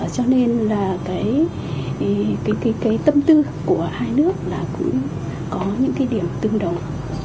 cho nên là cái tâm tư của hai nước là cũng có những cái điểm tương đồng